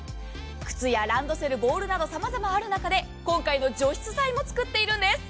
靴やランドセル、ボールなどさまざまある中で今回の除湿剤も作っているんです。